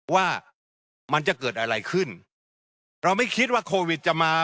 ว่ามันจะเกิดอะไรขึ้นเราไม่คิดว่าโควิดจะมา